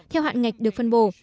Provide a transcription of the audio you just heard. theo hạn ngạch được phân bổ